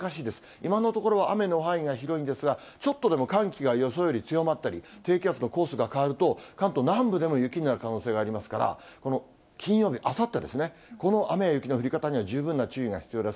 今のところは雨の範囲が広いんですが、ちょっとでも寒気が予想より強まったり、低気圧のコースが変わると、関東南部でも雪になる可能性がありますから、この金曜日、あさってですね、この雨や雪の降り方には十分な注意が必要です。